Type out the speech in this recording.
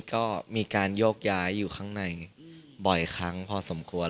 ก็มีการโยกย้ายอยู่ข้างในบ่อยครั้งพอสมควร